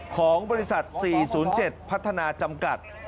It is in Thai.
ของบริษัท๔๐๗พัฒนาจำกัด